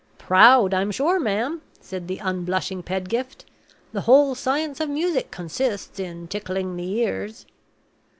"Proud, I'm sure, ma'am," said the unblushing Pedgift. "The whole science of music consists in tickling the ears."